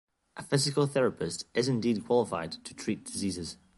A physical therapist is indeed qualified to treat diseases.